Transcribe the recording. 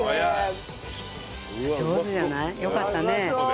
上手じゃない？よかったね。